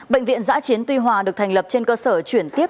bệnh viện giã chiến tuy hòa được thành lập trên cơ sở chuyển tiếp